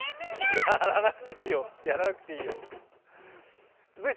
いや、やらなくていいよ、やらなくていい。